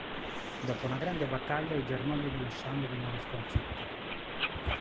Dopo una grande battaglia i "germogli" dello Sciame vengono sconfitti.